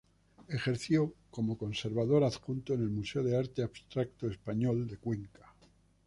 Ejerció como Conservador Adjunto en el Museo de Arte Abstracto Español de Cuenca.